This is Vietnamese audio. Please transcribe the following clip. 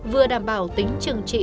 vừa đảm bảo tính chừng trị